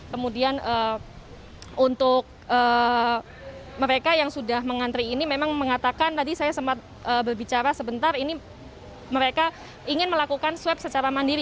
kemudian untuk mereka yang sudah mengantri ini memang mengatakan tadi saya sempat berbicara sebentar ini mereka ingin melakukan swab secara mandiri